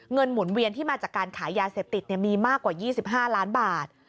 หมุนเวียนที่มาจากการขายยาเสพติดมีมากกว่า๒๕ล้านบาท